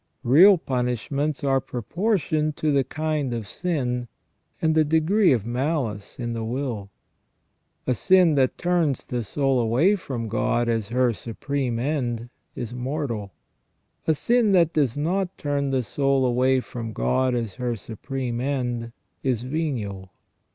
Real punishments are proportioned to the kind of sin, and the degree of malice in the will. A sin that turns the soul away from God as her supreme end is mortal. A sin that does not turn the soul away from God as her supreme end is venial.